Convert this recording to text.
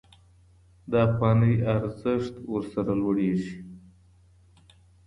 د افغانۍ ارزښت ورسره لوړېږي.